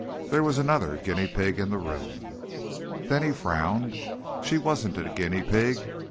There was another guinea pig in the room. Then he frowned. She wasn't a guinea pig.